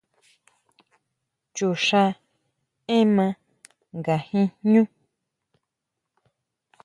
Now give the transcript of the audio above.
Chuxʼá énma nga jin jñú.